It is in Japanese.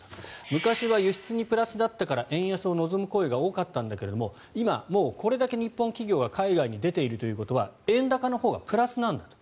昔は輸出にプラスだったから円安を望む声が多かったんだけれど今、もうこれだけ日本企業が海外に出ているということは円高のほうがプラスなんだと。